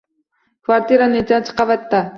Kvartira nechinchi qavatda?